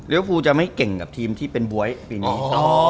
ฟูจะไม่เก่งกับทีมที่เป็นบ๊วยปีนี้